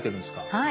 はい。